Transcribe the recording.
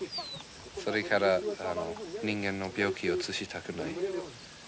それから人間の病気をうつしたくない。